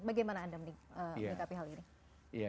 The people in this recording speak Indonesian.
bagaimana anda menurut anda